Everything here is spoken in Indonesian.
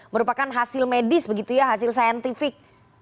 merupakan hasil medis begitu ya hasil saintifik